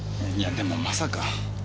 いやでもまさか。